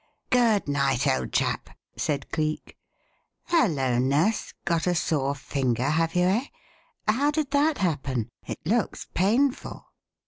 "Good night, old chap," said Cleek. "Hello, Nurse, got a sore finger, have you, eh? How did that happen? It looks painful."